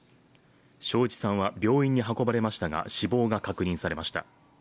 松一さんは病院に運ばれましたが死亡が確認されました。